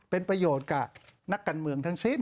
เป็นประโยชน์กับนักการเมืองทั้งสิ้น